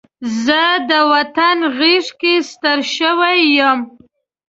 زه د وطن غېږ کې ستر شوی یم